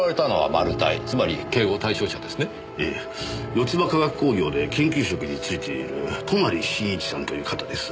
ヨツバ化学工業で研究職についている泊真一さんという方です。